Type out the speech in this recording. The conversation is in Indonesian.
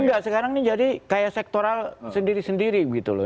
enggak sekarang ini jadi kayak sektoral sendiri sendiri gitu loh